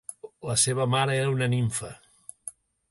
La seva mare era una nimfa.